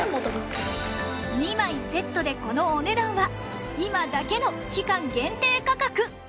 ２枚セットでこのお値段は今だけの期間限定価格！